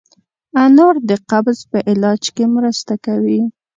انار د قبض په علاج کې مرسته کوي.